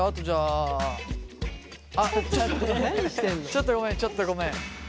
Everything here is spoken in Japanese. ちょっとごめんちょっとごめん。